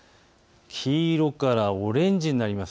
黄色からオレンジになります。